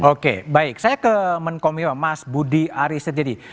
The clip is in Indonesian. oke baik saya ke menkomio mas budi ariset jadi